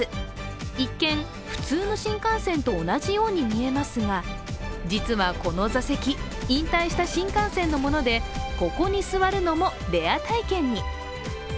一見、普通の新幹線と同じように見えますが、実はこの座席、引退した新幹線のもので、ここに座るのも、レア体験に。